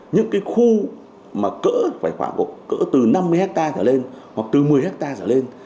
những cái khu mà cỡ phải khoảng cỡ từ năm mươi hectare trở lên hoặc từ một mươi hectare trở lên